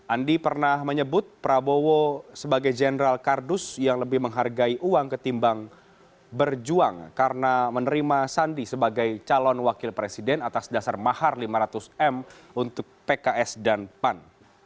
andi pernah menyebut prabowo sebagai jenderal kardus yang lebih menghargai uang ketimbang berjuang karena menerima sandi sebagai calon wakil presiden atas dasar mahar lima ratus m untuk pks dan pan